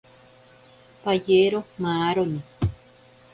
Payero maaroni.